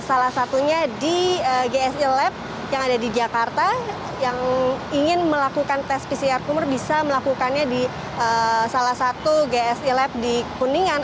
salah satunya di gsi lab yang ada di jakarta yang ingin melakukan tes pcr kumur bisa melakukannya di salah satu gsi lab di kuningan